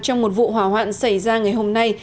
trong một vụ hỏa hoạn xảy ra ngày hôm nay